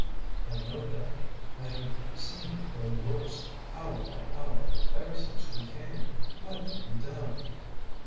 "I know, Doctor. I have seen him grow worse, hour by hour, ever since we came. What can be done?"